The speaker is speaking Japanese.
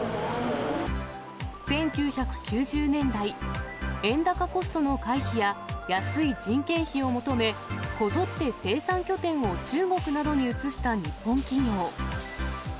１９９０年代、円高コストの回避や、安い人件費を求め、こぞって生産拠点を中国などに移した日本企業。